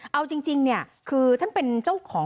เอาจริงเนี่ยคือท่านเป็นเจ้าของ